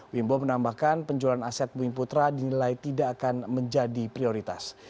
wimbo menambahkan penjualan aset bumi putra dinilai tidak akan menjadi prioritas